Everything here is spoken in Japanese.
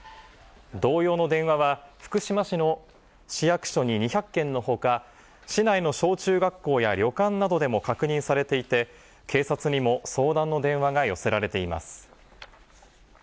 同様の電話は、福島市の市役所に２００件のほか、市内の小中学校や旅館などでも確認されていて、警察にも相談の電話が寄せられています。